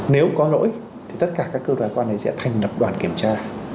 nếu có lỗi thì tất cả các cơ quan này sẽ thanh đập đoàn kiểm tra